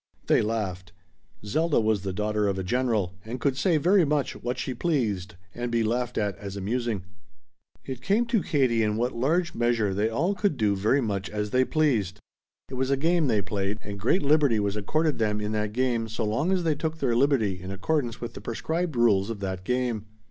They laughed. Zelda was the daughter of a general, and could say very much what she pleased and be laughed at as amusing. It came to Katie in what large measure they all could do very much as they pleased. It was a game they played, and great liberty was accorded them in that game so long as they took their liberty in accordance with the prescribed rules of that game.